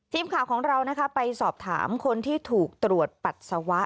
ทีมข่าวของเราไปสอบถามคนที่ถูกตรวจปัสสาวะ